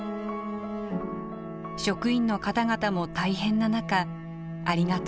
職員の方々も大変な中ありがとうございました」。